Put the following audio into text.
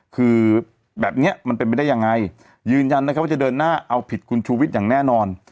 คือแบบนี้มันเป็นไปได้ยังไงยืนยันนะครับว่าจะเดินหน้าเอาผิดคุณชูวิทย์อย่างแน่นอน